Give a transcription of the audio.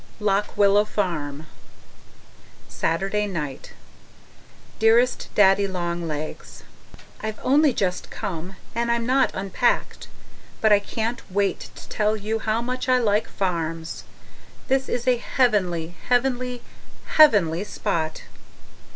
LOCK WILLOW FARM, Saturday night Dearest Daddy Long Legs, I've only just come and I'm not unpacked, but I can't wait to tell you how much I like farms. This is a heavenly, heavenly, HEAVENLY spot!